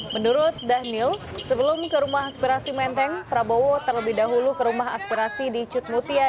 menurut dhanil sebelum ke rumah aspirasi menteng prabowo terlebih dahulu ke rumah aspirasi di cutmutia